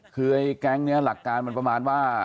คือไอ้แก๊งนี้หลักการมันประมาณว่า